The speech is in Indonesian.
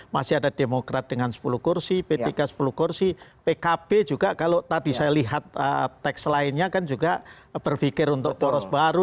masih ada demokrat dengan sepuluh kursi p tiga sepuluh kursi pkb juga kalau tadi saya lihat teks lainnya kan juga berpikir untuk poros baru